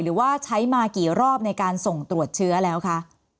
หรือว่าใช้มากี่รอบในการส่งตรวจเชื้อแล้วคะ